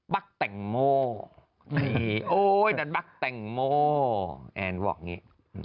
ปั๊กแต่งโหมบั๊กแต่งโหมแอนบอกงี้